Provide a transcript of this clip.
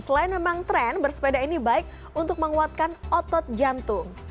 selain memang tren bersepeda ini baik untuk menguatkan otot jantung